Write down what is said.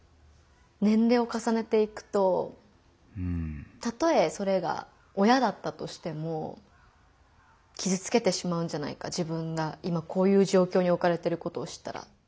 年齢をかさねていくとたとえそれが親だったとしても傷つけてしまうんじゃないか自分が今こういう状況におかれてることを知ったら。